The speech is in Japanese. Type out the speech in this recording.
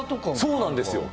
そうなんですよ。